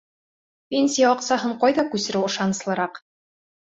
Пенсия аҡсаһын ҡайҙа күсереү ышаныслыраҡ?